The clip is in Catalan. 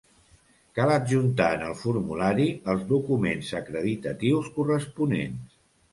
Cal adjuntar en el formulari els documents acreditatius corresponents.